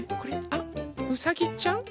あっうさぎちゃん？